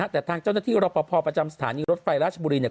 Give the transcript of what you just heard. แต่ทางเจ้าหน้าที่เราประพอบประจำสถานีรถไฟราชบุรี